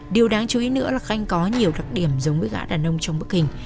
điều đáng chú ý nữa là khanh có nhiều đặc điểm giống với gã đàn nông trong bức hình